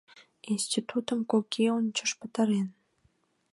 Институтым кок ий ончыч пытарен.